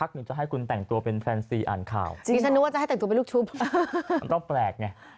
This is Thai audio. สักพักนิดจะให้คุณแต่งตัวเป็นแฟลนซีอ่านข่าวจริงถ้านึกว่าจะให้